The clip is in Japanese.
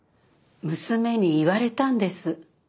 娘に言われたんです。